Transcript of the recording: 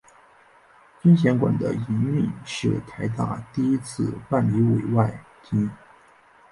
尊贤馆的营运是台大第一次办理委外经营。